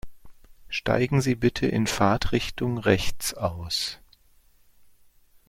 Steigen Sie bitte in Fahrtrichtung rechts aus.